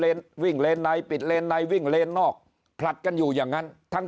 วิ่งเลนในปิดเลนในวิ่งเลนนอกผลัดกันอยู่อย่างนั้นทั้ง